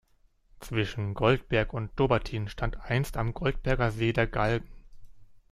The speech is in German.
Zwischen Goldberg und Dobbertin stand einst am Goldberger See der Galgen.